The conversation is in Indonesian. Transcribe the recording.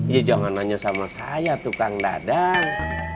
ya jangan nanya sama saya tukang dadang